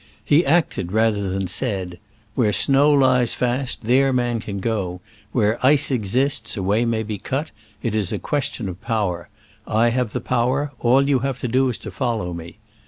He acted rather than said, Where snow lies fast, there man can go; where ice exists, a way may be cut ; it is a question of power : I have the power — all you have to do is to follow me.